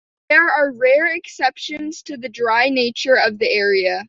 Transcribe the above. There are rare exceptions to the dry nature of the area.